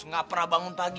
nggak pernah bangun pagi